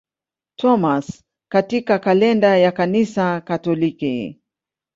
Thomas katika kalenda ya Kanisa Katoliki.